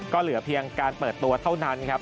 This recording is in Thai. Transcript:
ก็เหลือเพียงการเปิดตัวเท่านั้นครับ